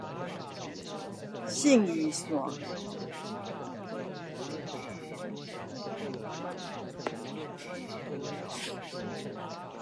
信義線